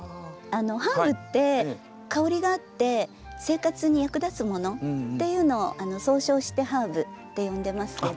ハーブって香りがあって生活に役立つものっていうのを総称してハーブって呼んでますけど。